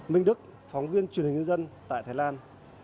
minh đức phóng viên truyền hình nhân dân tại thái lan